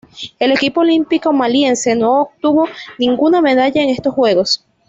El equipo olímpico maliense no obtuvo ninguna medalla en estos Juegos.